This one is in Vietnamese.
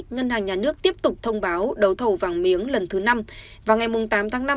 ngân hàng nhà nước tiếp tục thông báo đấu thầu vàng miếng lần thứ năm vào ngày tám tháng năm